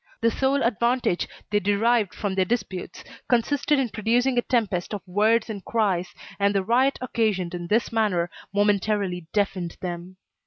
The sole advantage they derived from their disputes, consisted in producing a tempest of words and cries, and the riot occasioned in this manner momentarily deafened them.